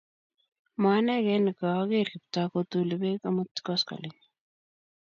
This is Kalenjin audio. mo anegei nekiogeer Kiptoo kootuli beek omut koskoleny